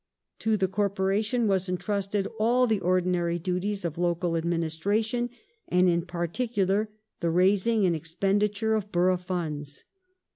To the corporation was entrusted all the ordinary duties of local administration, and in particular the raising and expenditure of borough funds.